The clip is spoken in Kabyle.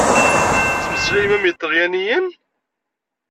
Tettmeslayem am iṭalyaniyen?